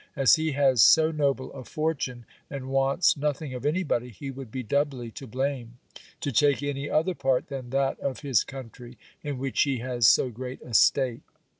As he has so noble a fortune and wants nothing of any body, he would be doubly to blame, to take any other part than that of his country, in which he has so great a stake.